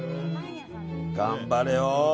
頑張れよ。